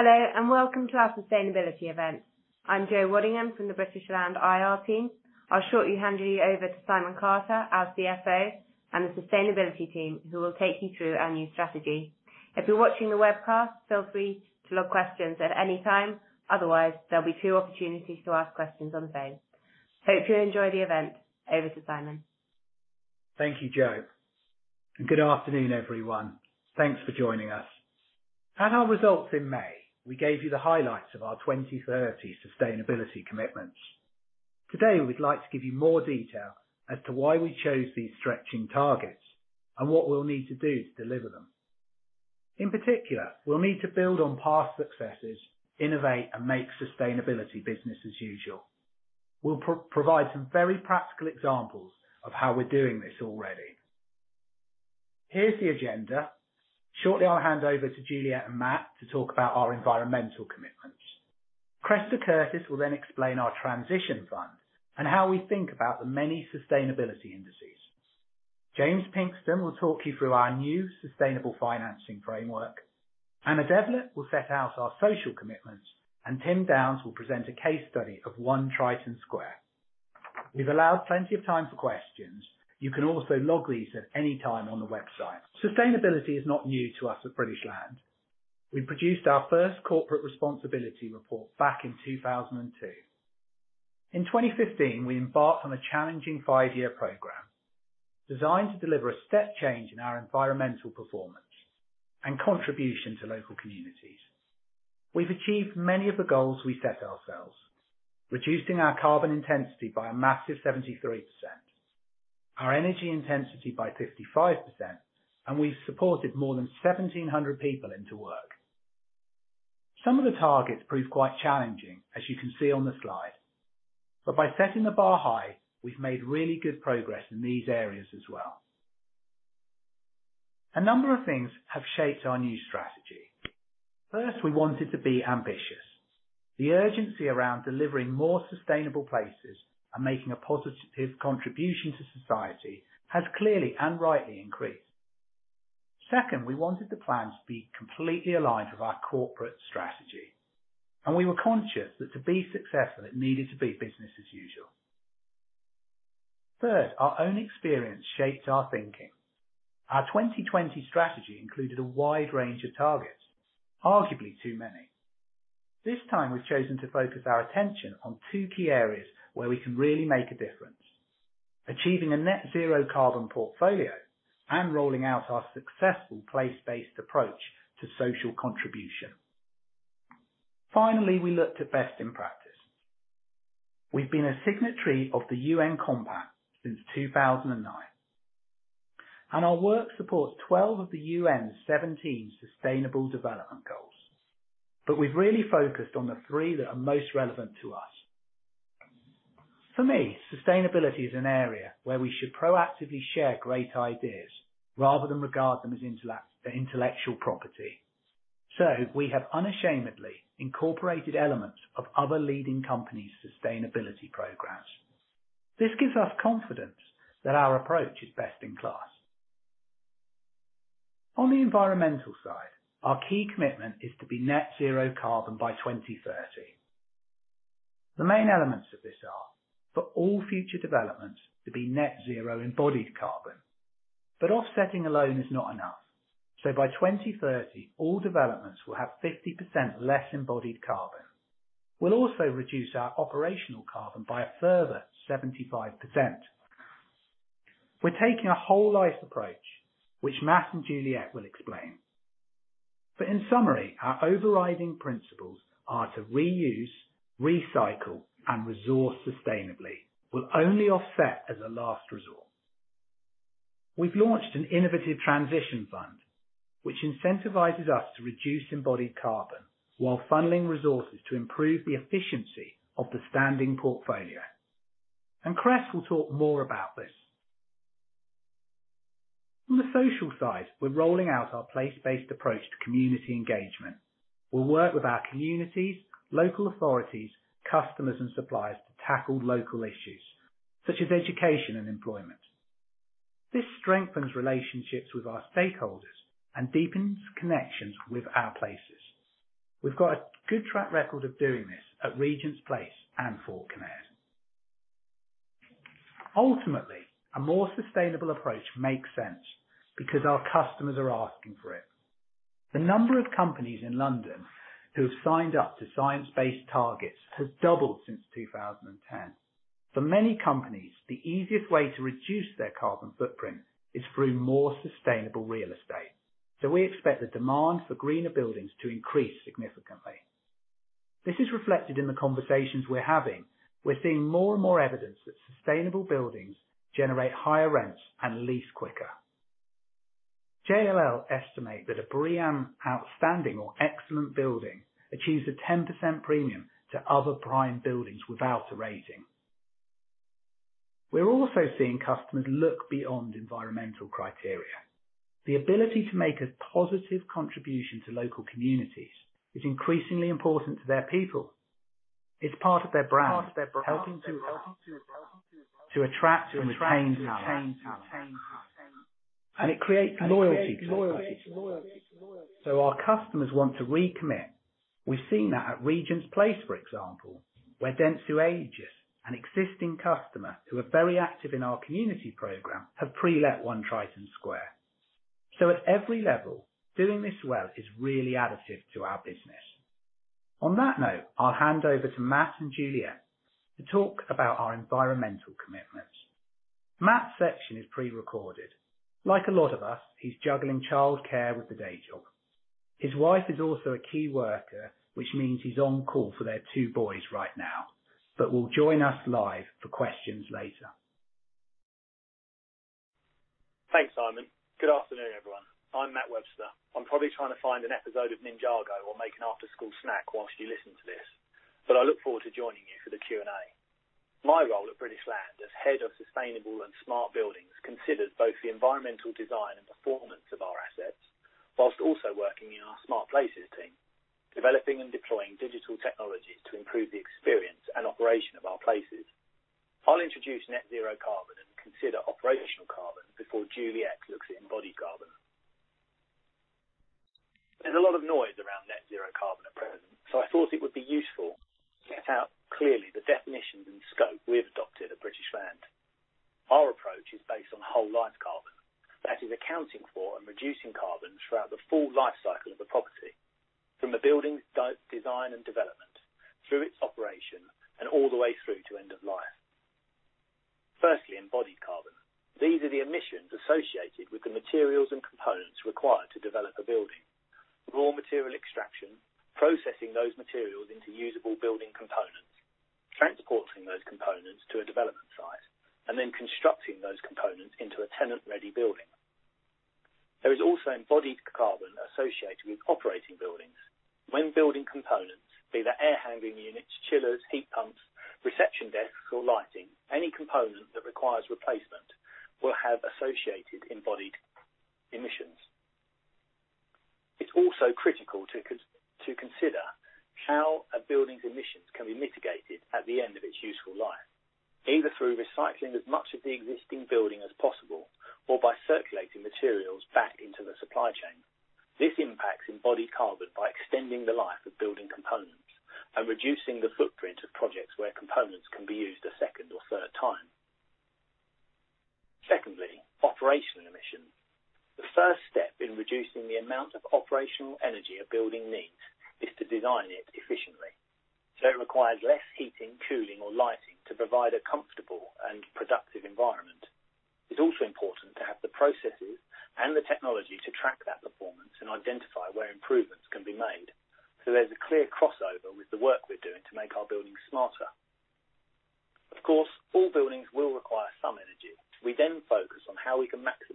Hello, and welcome to our sustainability event. I'm Joanna Waddingham from the British Land IR team. I'll shortly hand you over to Simon Carter, our CFO, and the sustainability team who will take you through our new strategy. If you're watching the webcast, feel free to log questions at any time. There'll be two opportunities to ask questions on the phone. Hope you enjoy the event. Over to Simon. Thank you, Jo. Good afternoon, everyone. Thanks for joining us. At our results in May, we gave you the highlights of our 2030 sustainability commitments. Today, we'd like to give you more detail as to why we chose these stretching targets and what we'll need to do to deliver them. In particular, we'll need to build on past successes, innovate, and make sustainability business as usual. We'll provide some very practical examples of how we're doing this already. Here's the agenda. Shortly, I'll hand over to Juliette and Matt to talk about our environmental commitments. Cressida Curtis will explain our transition funds and how we think about the many sustainability indices. James Pinkstone will talk you through our new sustainable financing framework. Anna Devlet will set out our social commitments. Tim Downes will present a case study of One Triton Square. We've allowed plenty of time for questions. You can also log these at any time on the website. Sustainability is not new to us at British Land. We produced our first corporate responsibility report back in 2002. In 2015, we embarked on a challenging five-year program designed to deliver a step change in our environmental performance and contribution to local communities. We've achieved many of the goals we set ourselves, reducing our carbon intensity by a massive 73%, our energy intensity by 55%, and we've supported more than 1,700 people into work. Some of the targets proved quite challenging, as you can see on the slide. By setting the bar high, we've made really good progress in these areas as well. A number of things have shaped our new strategy. First, we wanted to be ambitious. The urgency around delivering more sustainable places and making a positive contribution to society has clearly and rightly increased. Second, we wanted the plan to be completely aligned with our corporate strategy, and we were conscious that to be successful, it needed to be business as usual. Third, our own experience shaped our thinking. Our 2020 strategy included a wide range of targets, arguably too many. This time we've chosen to focus our attention on two key areas where we can really make a difference. Achieving a net zero carbon portfolio and rolling out our successful place-based approach to social contribution. Finally, we looked at best in practice. We've been a signatory of the UN Compact since 2009, and our work supports 12 of the UN 17 Sustainable Development Goals. We've really focused on the three that are most relevant to us. For me, sustainability is an area where we should proactively share great ideas rather than regard them as intellectual property. We have unashamedly incorporated elements of other leading companies' sustainability programs. This gives us confidence that our approach is best in class. On the environmental side, our key commitment is to be net zero carbon by 2030. The main elements of this are for all future developments to be net zero embodied carbon. Offsetting alone is not enough. By 2030, all developments will have 50% less embodied carbon. We'll also reduce our operational carbon by a further 75%. We're taking a whole life approach, which Matt and Juliet will explain. In summary, our overriding principles are to reuse, recycle, and resource sustainably. We'll only offset as a last resort. We've launched an innovative transition fund which incentivizes us to reduce embodied carbon while funneling resources to improve the efficiency of the standing portfolio. Cress will talk more about this. On the social side, we're rolling out our place-based approach to community engagement. We'll work with our communities, local authorities, customers, and suppliers to tackle local issues such as education and employment. This strengthens relationships with our stakeholders and deepens connections with our places. We've got a good track record of doing this at Regent's Place and Fort Kinnaird. Ultimately, a more sustainable approach makes sense because our customers are asking for it. The number of companies in London who have signed up to science-based targets has doubled since 2010. For many companies, the easiest way to reduce their carbon footprint is through more sustainable real estate. We expect the demand for greener buildings to increase significantly. This is reflected in the conversations we're having. We're seeing more and more evidence that sustainable buildings generate higher rents and lease quicker. JLL estimate that a BREEAM outstanding or excellent building achieves a 10% premium to other prime buildings without a rating. We're also seeing customers look beyond environmental criteria. The ability to make a positive contribution to local communities is increasingly important to their people. It's part of their brand, helping to attract and retain talent. It creates loyalty to the property. Our customers want to recommit. We've seen that at Regent's Place, for example, where Dentsu Aegis, an existing customer who are very active in our community program, have pre-let One Triton Square. At every level, doing this well is really additive to our business. On that note, I'll hand over to Matt and Juliette to talk about our environmental commitments. Matt's section is pre-recorded. Like a lot of us, he's juggling childcare with the day job. His wife is also a key worker, which means he's on call for their two boys right now, but will join us live for questions later. Thanks, Simon. Good afternoon, everyone. I'm Matt Webster. I'm probably trying to find an episode of Ninjago or make an after-school snack while you listen to this, but I look forward to joining you for the Q&A. My role at British Land as head of sustainable and smart buildings considers both the environmental design and performance of our assets, while also working in our Smart Places team, developing and deploying digital technologies to improve the experience and operation of our places. I'll introduce net zero carbon and consider operational carbon before Juliette looks at embodied carbon. There's a lot of noise around net zero carbon at present. I thought it would be useful to set out clearly the definitions and scope we have adopted at British Land. Our approach is based on whole life carbon. That is accounting for and reducing carbon throughout the full life cycle of a property, from the building's design and development, through its operation, and all the way through to end of life. Firstly, embodied carbon. These are the emissions associated with the materials and components required to develop a building. Raw material extraction, processing those materials into usable building components, transporting those components to a development site, and then constructing those components into a tenant-ready building. There is also embodied carbon associated with operating buildings. When building components, be they air handling units, chillers, heat pumps, reception desks, or lighting, any component that requires replacement will have associated embodied emissions. It is also critical to consider how a building's emissions can be mitigated at the end of its useful life, either through recycling as much of the existing building as possible or by circulating materials back into the supply chain. This impacts embodied carbon by extending the life of building components and reducing the footprint of projects where components can be used a second or third time. Secondly, operational emissions. The first step in reducing the amount of operational energy a building needs is to design it efficiently, so it requires less heating, cooling, or lighting to provide a comfortable and productive environment. It's also important to have the processes and the technology to track that performance and identify where improvements can be made, so there's a clear crossover with the work we're doing to make our buildings smarter. Of course, all buildings will require some energy. We then focus on how we can maximize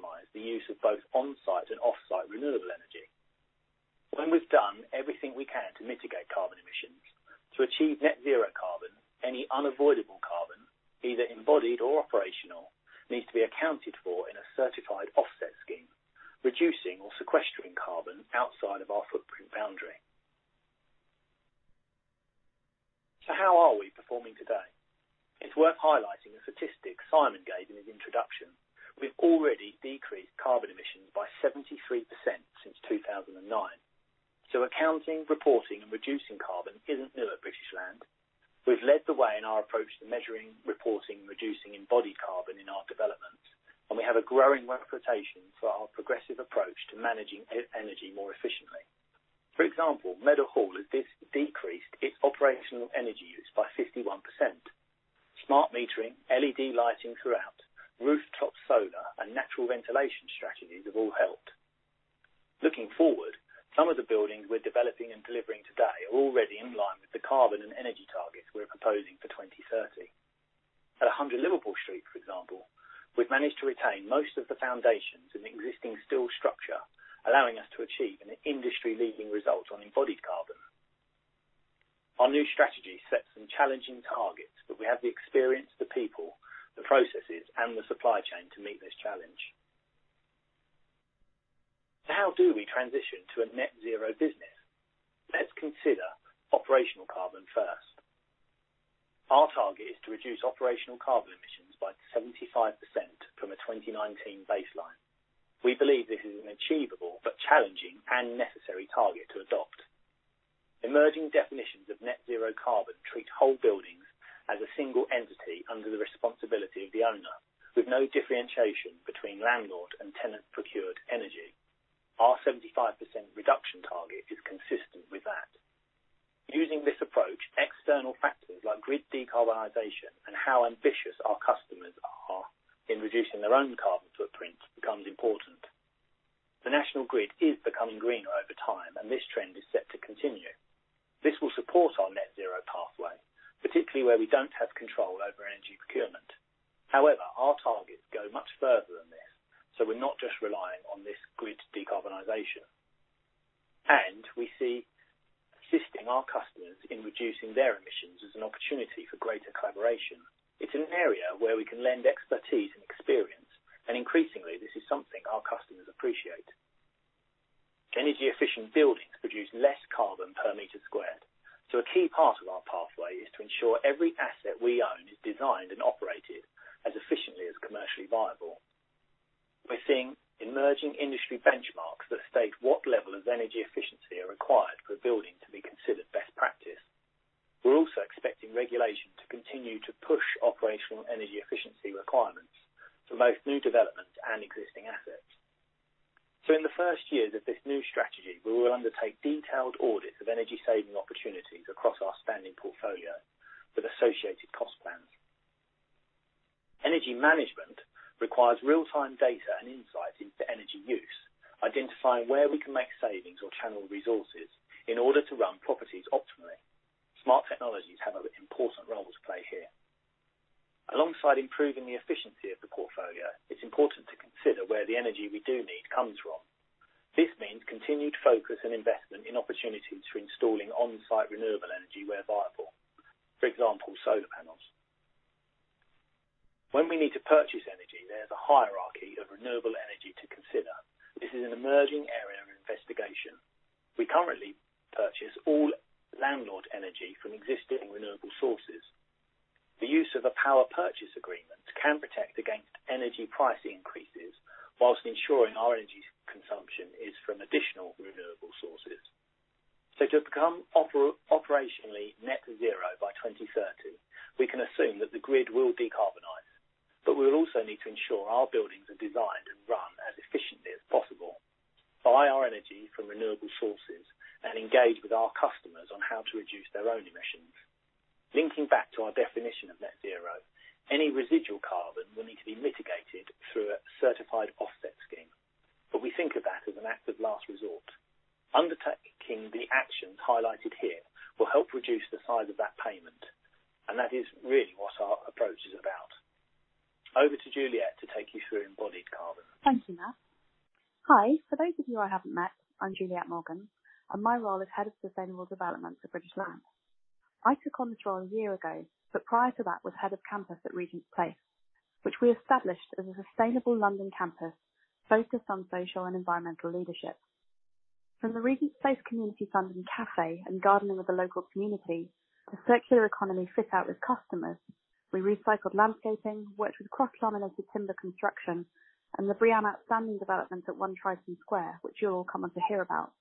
allowing us to achieve an industry-leading result on embodied carbon. Our new strategy sets some challenging targets, we have the experience, the people, the processes, and the supply chain to meet this challenge. How do we transition to a net zero business? Let's consider operational carbon first. Our target is to reduce operational carbon emissions by 75% from a 2019 baseline. We believe this is an achievable but challenging and necessary target to adopt. Emerging definitions of net zero carbon treat whole buildings as a single entity under the responsibility of the owner, with no differentiation between landlord and tenant-procured energy. Our 75% reduction target is consistent with that. Using this approach, external factors like grid decarbonization and how ambitious our customers are in reducing their own carbon footprint becomes important. The national grid is becoming greener over time, this trend is set to continue. This will support our net zero pathway, particularly where we don't have control over energy procurement. However, our targets go much further than this, so we're not just relying on this grid decarbonization. We see assisting our customers in reducing their emissions as an opportunity for greater collaboration. It's an area where we can lend expertise and experience, and increasingly, this is something our customers appreciate. Energy-efficient buildings produce less carbon per meter squared. A key part of our pathway is to ensure every asset we own is designed and operated as efficiently as commercially viable. We're seeing emerging industry benchmarks that state what level of energy efficiency are required for a building to be considered best practice. We're also expecting regulation to continue to push operational energy efficiency requirements for both new developments and existing assets. In the first years of this new strategy, we will undertake detailed audits of energy-saving opportunities across our standing portfolio with associated cost plans. Energy management requires real-time data and insights into energy use, identifying where we can make savings or channel resources in order to run properties optimally. Smart technologies have an important role to play here. Alongside improving the efficiency of the portfolio, it's important to consider where the energy we do need comes from. This means continued focus and investment in opportunities for installing on-site renewable energy where viable. For example, solar panels. When we need to purchase energy, there's a hierarchy of renewable energy to consider. This is an emerging area of investigation. We currently purchase all landlord energy from existing renewable sources. The use of a power purchase agreement can protect against energy price increases while ensuring our energy consumption is from additional renewable sources. To become operationally net zero by 2030, we can assume that the grid will decarbonize, but we'll also need to ensure our buildings are designed and run as efficiently as possible, buy our energy from renewable sources, and engage with our customers on how to reduce their own emissions. Linking back to our definition of net zero, any residual carbon will need to be mitigated through a certified offset scheme, but we think of that as an act of last resort. Undertaking the actions highlighted here will help reduce the size of that payment. That is really what our approach is about. Over to Juliette to take you through embodied carbon. Thank you, Matt. Hi. For those of you I haven't met, I'm Juliette Morgan, and my role is Head of Sustainable Development for British Land. I took on this role a year ago, but prior to that was head of campus at Regent's Place, which we established as a sustainable London campus focused on social and environmental leadership. From the Regent's Place community funding cafe and gardening with the local community, a circular economy fit out with customers. We recycled landscaping, worked with cross-laminated timber construction, and the BREEAM outstanding development at One Triton Square, which you'll all come on to hear about.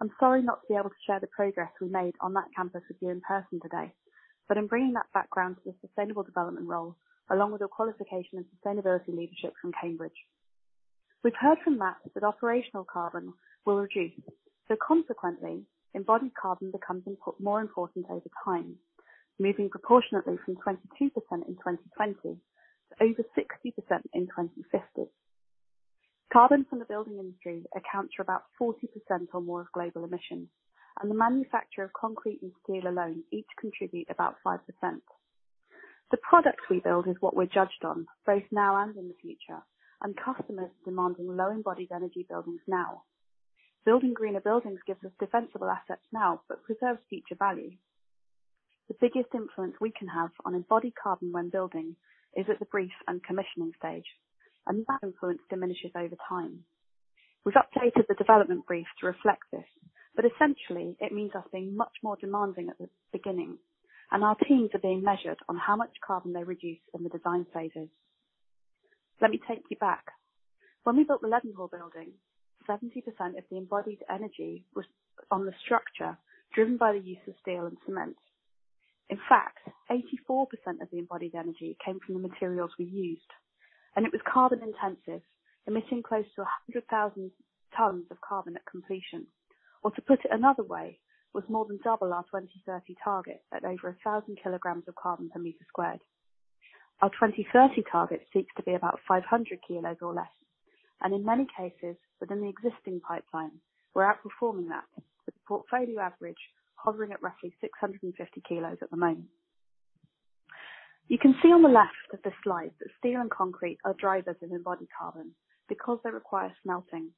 I'm sorry not to be able to share the progress we made on that campus with you in person today, but I'm bringing that background to the sustainable development role, along with a qualification in sustainability leadership from Cambridge. We've heard from Matt that operational carbon will reduce. Consequently, embodied carbon becomes more important over time, moving proportionately from 22% in 2020 to over 60% in 2050. Carbon from the building industry accounts for about 40% or more of global emissions, and the manufacture of concrete and steel alone each contribute about 5%. The product we build is what we're judged on, both now and in the future, and customers are demanding low embodied energy buildings now. Building greener buildings gives us defensible assets now but preserves future value. The biggest influence we can have on embodied carbon when building is at the brief and commissioning stage, and that influence diminishes over time. We've updated the development brief to reflect this. Essentially, it means us being much more demanding at the beginning, and our teams are being measured on how much carbon they reduce in the design phases. Let me take you back. When we built the Leadenhall Building, 70% of the embodied energy was on the structure driven by the use of steel and cement. In fact, 84% of the embodied energy came from the materials we used, and it was carbon intensive, emitting close to 100,000 tons of carbon at completion. To put it another way, was more than double our 2030 target at over 1,000 kilograms of carbon per meter squared. Our 2030 target seeks to be about 500 kilos or less, and in many cases, within the existing pipeline, we're outperforming that with the portfolio average hovering at roughly 650 kilos at the moment. You can see on the left of this slide that steel and concrete are drivers in embodied carbon because they require smelting,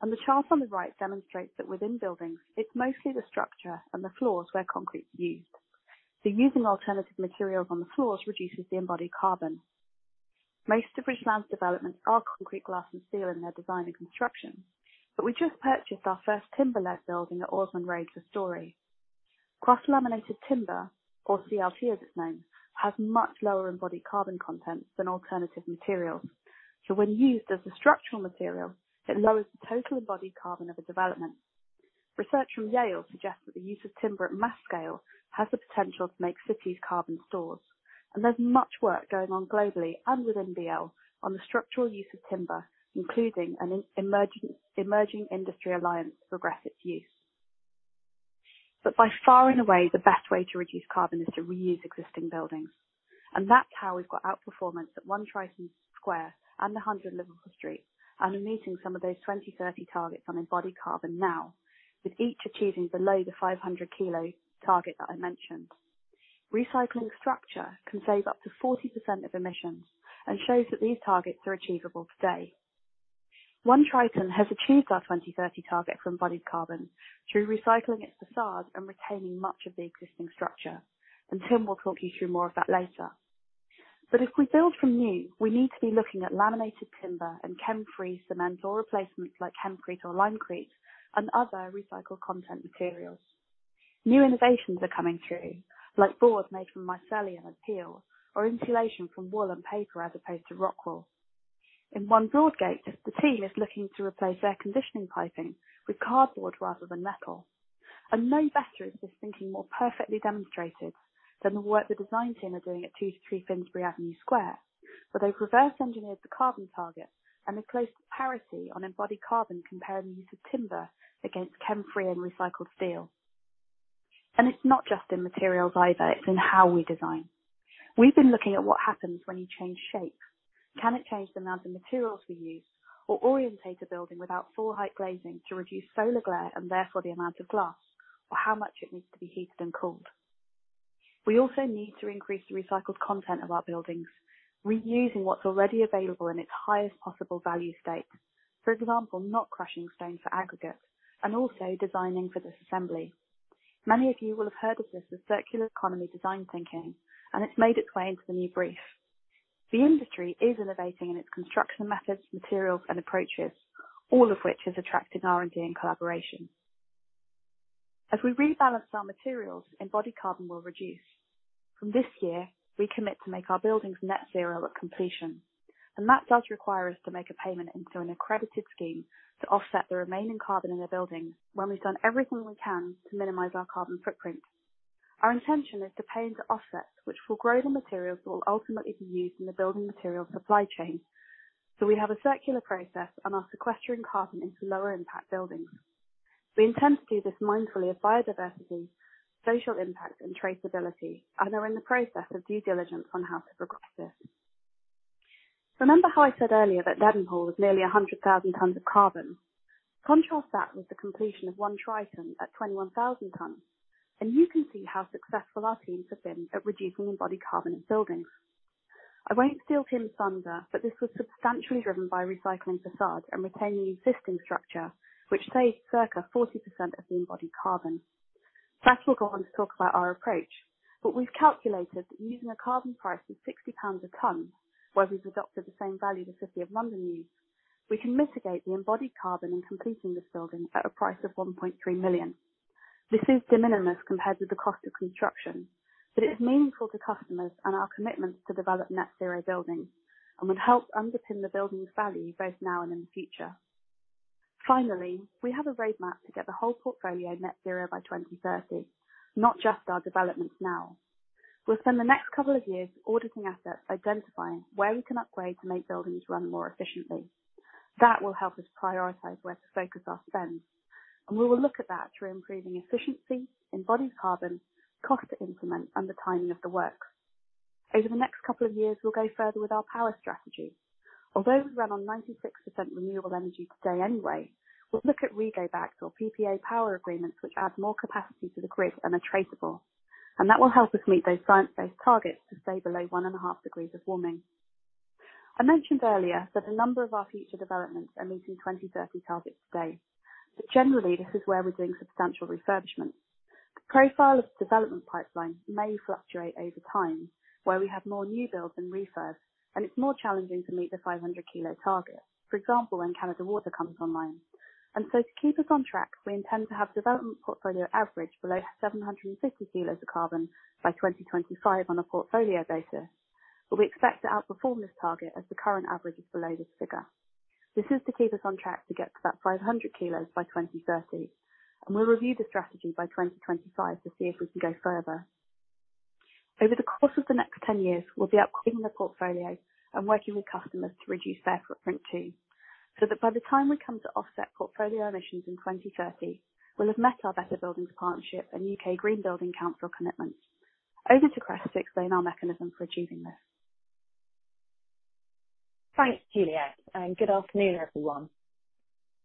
and the chart on the right demonstrates that within buildings, it's mostly the structure and the floors where concrete is used. Using alternative materials on the floors reduces the embodied carbon. Most of British Land's developments are concrete, glass, and steel in their design and construction, but we just purchased our first timber-led building at Orsman Road for Storey. cross-laminated timber or CLT as it's known, has much lower embodied carbon content than alternative materials. When used as a structural material, it lowers the total embodied carbon of a development. Research from Yale suggests that the use of timber at mass scale has the potential to make cities carbon stores, and there's much work going on globally and within BL on the structural use of timber, including an emerging industry alliance to progress its use. By far and away, the best way to reduce carbon is to reuse existing buildings, and that's how we've got outperformance at One Triton Square and 100 Liverpool Street and are meeting some of those 2030 targets on embodied carbon now, with each achieving below the 500 kilo target that I mentioned. Recycling structure can save up to 40% of emissions and shows that these targets are achievable today. One Triton has achieved our 2030 target for embodied carbon through recycling its façade and retaining much of the existing structure, Tim will talk you through more of that later. If we build from new, we need to be looking at laminated timber and Cemfree cement or replacements like Hempcrete or Limecrete and other recycled content materials. New innovations are coming through, like boards made from mycelium and peel, or insulation from wool and paper as opposed to ROCKWOOL. In One Broadgate, the team is looking to replace air conditioning piping with cardboard rather than metal. No better is this thinking more perfectly demonstrated than the work the design team are doing at 2-3 Finsbury Avenue Square, where they've reverse engineered the carbon target and are close to parity on embodied carbon comparing the use of timber against Cemfree and recycled steel. It's not just in materials either, it's in how we design. We've been looking at what happens when you change shape. Can it change the amount of materials we use or orientate a building without full-height glazing to reduce solar glare and therefore the amount of glass, or how much it needs to be heated and cooled? We also need to increase the recycled content of our buildings, reusing what's already available in its highest possible value state. For example, not crushing stone for aggregate and also designing for disassembly. Many of you will have heard of this as circular economy design thinking. It's made its way into the new brief. The industry is innovating in its construction methods, materials, and approaches, all of which has attracted R&D and collaboration. As we rebalance our materials, embodied carbon will reduce. From this year, we commit to make our buildings net zero at completion, and that does require us to make a payment into an accredited scheme to offset the remaining carbon in the building when we've done everything we can to minimize our carbon footprint. Our intention is to pay into offsets, which will grow the materials that will ultimately be used in the building material supply chain, so we have a circular process and are sequestering carbon into lower impact buildings. We intend to do this mindfully of biodiversity, social impact and traceability, and are in the process of due diligence on how to progress this. Remember how I said earlier that Leadenhall was nearly 100,000 tons of carbon? Contrast that with the completion of One Triton at 21,000 tons, and you can see how successful our teams have been at reducing embodied carbon in buildings. I won't steal Tim's thunder, this was substantially driven by recycling facade and retaining existing structure, which saves circa 40% of the embodied carbon. Cressida will go on to talk about our approach, but we've calculated that using a carbon price of 60 pounds a ton, where we've adopted the same value the City of London use, we can mitigate the embodied carbon in completing this building at a price of 1.3 million. This is de minimis compared with the cost of construction, but it's meaningful to customers and our commitments to develop net zero buildings and would help underpin the building's value both now and in the future. Finally, we have a roadmap to get the whole portfolio net zero by 2030, not just our developments now. We'll spend the next couple of years auditing assets, identifying where we can upgrade to make buildings run more efficiently. That will help us prioritize where to focus our spend, and we will look at that through improving efficiency, embodied carbon, cost to implement, and the timing of the work. Over the next couple of years, we'll go further with our power strategy. Although we run on 96% renewable energy today anyway, we'll look at REGO backed or PPA power agreements which add more capacity to the grid and are traceable. That will help us meet those science-based targets to stay below one and a half degrees of warming. I mentioned earlier that a number of our future developments are meeting 2030 targets today. Generally, this is where we're doing substantial refurbishments. The profile of the development pipeline may fluctuate over time, where we have more new builds than refurbs, and it's more challenging to meet the 500 kilo target. For example, when Canada Water comes online. To keep us on track, we intend to have development portfolio average below 750 kilos of carbon by 2025 on a portfolio basis, but we expect to outperform this target as the current average is below this figure. This is to keep us on track to get to that 500 kilos by 2030, and we'll review the strategy by 2025 to see if we can go further. Over the course of the next 10 years, we'll be upgrading the portfolio and working with customers to reduce their footprint too, so that by the time we come to offset portfolio emissions in 2030, we'll have met our Better Buildings Partnership and U.K. Green Building Council commitments. Over to Cressida to explain our mechanism for achieving this. Thanks, Juliette, good afternoon, everyone.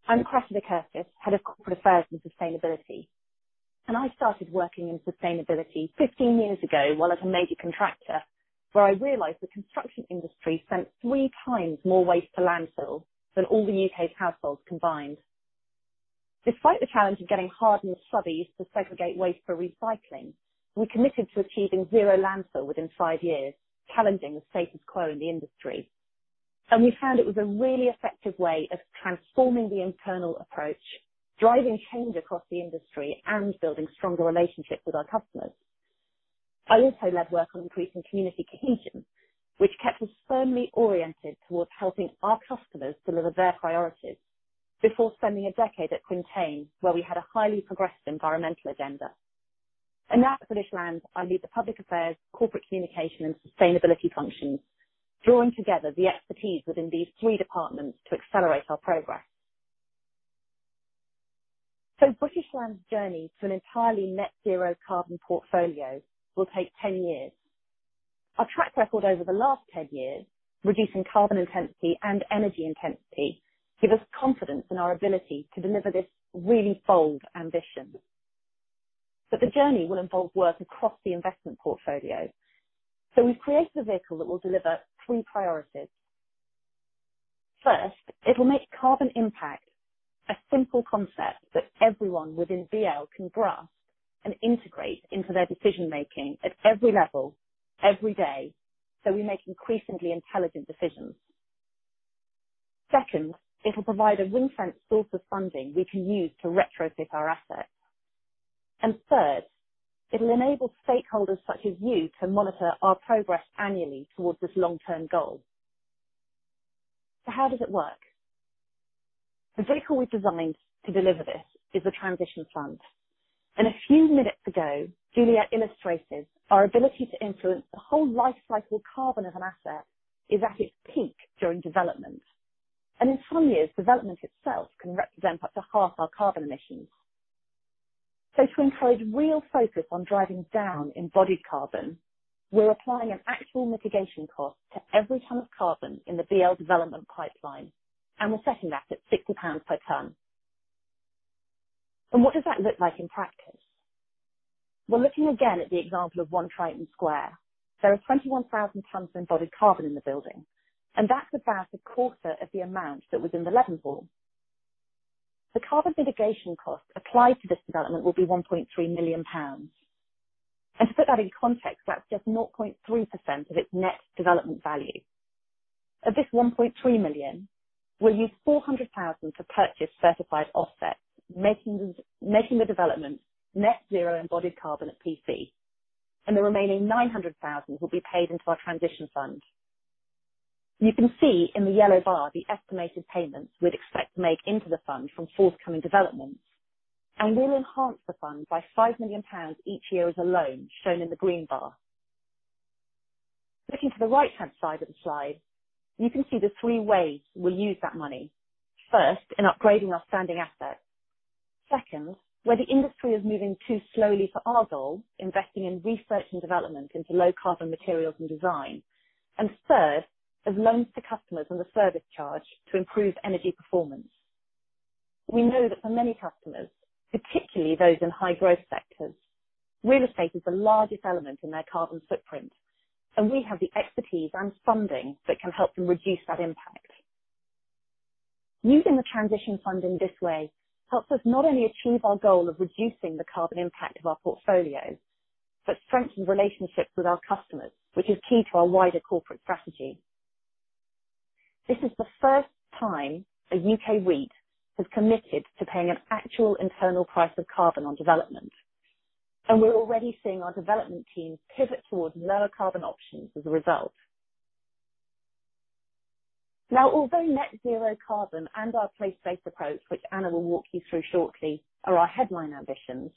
I'm Cressida Curtis, Head of Corporate Affairs and Sustainability. I started working in sustainability 15 years ago while at a major contractor, where I realized the construction industry sent 3 times more waste to landfill than all the U.K.'s households combined. Despite the challenge of getting hard-nosed subbies to segregate waste for recycling, we committed to achieving zero landfill within 5 years, challenging the status quo in the industry. We found it was a really effective way of transforming the internal approach, driving change across the industry, and building stronger relationships with our customers. I also led work on increasing community cohesion, which kept us firmly oriented towards helping our customers deliver their priorities before spending a decade at Quintain, where we had a highly progressive environmental agenda. Now at British Land, I lead the public affairs, corporate communication, and sustainability functions, drawing together the expertise within these three departments to accelerate our progress. British Land's journey to an entirely net zero carbon portfolio will take 10 years. Our track record over the last 10 years, reducing carbon intensity and energy intensity, give us confidence in our ability to deliver this really bold ambition. The journey will involve work across the investment portfolio. We've created a vehicle that will deliver three priorities. First, it'll make carbon impact a simple concept that everyone within BL can grasp and integrate into their decision-making at every level, every day, so we make increasingly intelligent decisions. Second, it'll provide a ring-fenced source of funding we can use to retrofit our assets. Third, it'll enable stakeholders such as you to monitor our progress annually towards this long-term goal. How does it work? The vehicle we've designed to deliver this is the transition fund. A few minutes ago, Juliette illustrated our ability to influence the whole life carbon of an asset is at its peak during development. In some years, development itself can represent up to half our carbon emissions. To encourage real focus on driving down embodied carbon, we're applying an actual mitigation cost to every ton of carbon in the BL development pipeline, and we're setting that at 60 pounds per ton. What does that look like in practice? Well, looking again at the example of One Triton Square, there are 21,000 tons of embodied carbon in the building, and that's about a quarter of the amount that was in the Leadenhall. The carbon mitigation cost applied to this development will be 1.3 million pounds. To put that in context, that's just 0.3% of its net development value. Of this 1.3 million, we'll use 400,000 to purchase certified offsets, making the development net zero embodied carbon at PC. The remaining 900,000 will be paid into our transition fund. You can see in the yellow bar the estimated payments we'd expect to make into the fund from forthcoming developments, and we'll enhance the fund by 5 million pounds each year as a loan, shown in the green bar. Looking to the right-hand side of the slide, you can see the three ways we'll use that money. First, in upgrading our standing assets. Second, where the industry is moving too slowly for our goals, investing in research and development into low carbon materials and design. Third, as loans to customers on the service charge to improve energy performance. We know that for many customers, particularly those in high growth sectors, real estate is the largest element in their carbon footprint, and we have the expertise and funding that can help them reduce that impact. Using the transition funding this way helps us not only achieve our goal of reducing the carbon impact of our portfolio, but strengthen relationships with our customers, which is key to our wider corporate strategy. This is the first time a UK REIT has committed to paying an actual internal price of carbon on development, and we're already seeing our development team pivot towards lower carbon options as a result. Although net zero carbon and our place-based approach, which Anna will walk you through shortly, are our headline ambitions,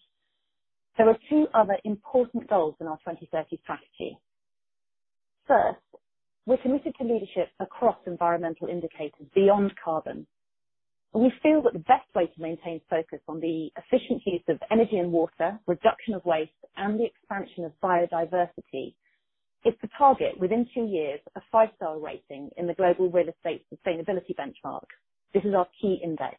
there are two other important goals in our 2030 strategy. First, we're committed to leadership across environmental indicators beyond carbon. We feel that the best way to maintain focus on the efficient use of energy and water, reduction of waste, and the expansion of biodiversity is to target, within two years, a five-star rating in the Global Real Estate Sustainability Benchmark. This is our key index.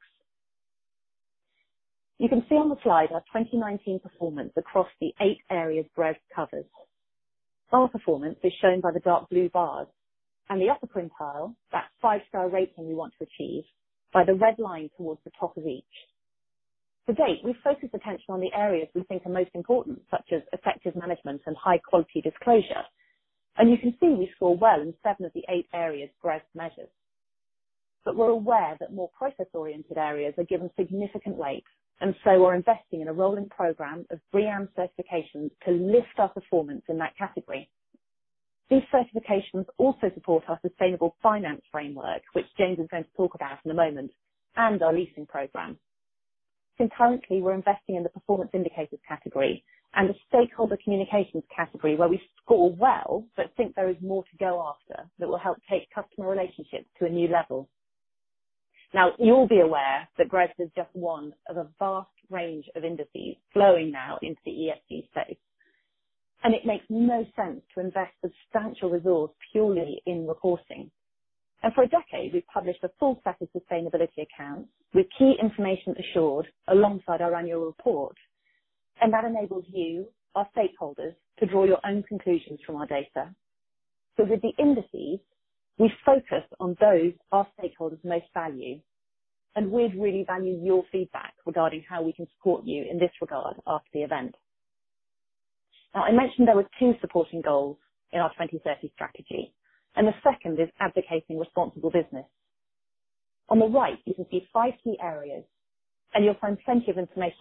You can see on the slide our 2019 performance across the eight areas GRESB covers. Our performance is shown by the dark blue bars and the upper quintile, that five-star rating we want to achieve, by the red line towards the top of each. To date, we've focused attention on the areas we think are most important, such as effective management and high quality disclosure. You can see we score well in seven of the eight areas GRESB measures. We're aware that more process-oriented areas are given significant weight, we're investing in a rolling program of BREEAM certification to lift our performance in that category. These certifications also support our sustainable finance framework, which James is going to talk about in a moment, and our leasing program. Concurrently, we're investing in the performance indicators category and the stakeholder communications category where we score well but think there is more to go after that will help take customer relationships to a new level. Now, you'll be aware that GRESB is just one of a vast range of indices flowing now into the ESG space. It makes no sense to invest substantial resource purely in reporting. For a decade, we've published a full set of sustainability accounts with key information assured alongside our annual report, and that enables you, our stakeholders, to draw your own conclusions from our data. With the indices, we focus on those our stakeholders most value, and we'd really value your feedback regarding how we can support you in this regard after the event. Now, I mentioned there were two supporting goals in our 2030 strategy, and the second is advocating responsible business. On the right, you can see five key areas, and you'll find plenty of information.